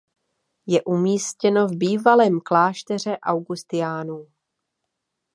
Je umístěno v bývalém klášteře augustiniánů.